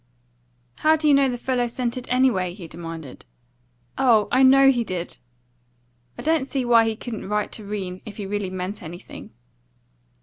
"How do you know the fellow sent it, anyway?" he demanded. "Oh, I know he did." "I don't see why he couldn't write to 'Rene, if he really meant anything."